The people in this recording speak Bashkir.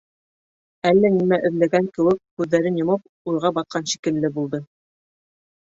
Әллә нәмә эҙләгән кеүек күҙҙәрен йомоп, уйға батҡан шикелле булды.